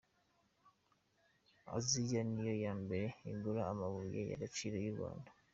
Aziya ni yo ya mbere igura amabuye y’agaciro y’u Rwanda.